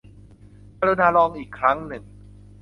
กรุณาลองอีกครั้งหนึ่ง